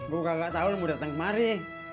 gue kagak tau lo mau dateng kemari